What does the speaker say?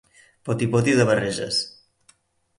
Poti-poti de barreges